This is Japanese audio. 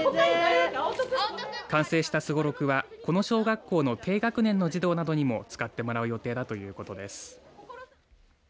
完成したすごろくはこの小学校の低学年の児童などにも使ってもらう予定だということです。